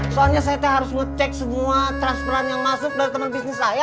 soalnya saya harus ngecek semua transferan yang masuk dari teman bisnis saya